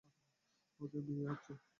আমাদের বিয়ে হচ্ছে।